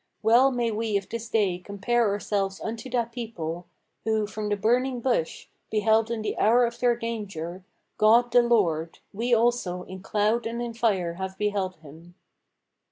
Well may we of this day compare ourselves unto that people Who, from the burning bush, beheld in the hour of their danger God the Lord: we also in cloud and in fire have beheld him."